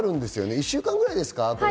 １週間ぐらいですか？